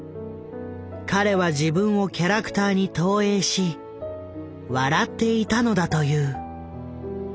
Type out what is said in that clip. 彼は自分をキャラクターに投影し笑っていたのだという。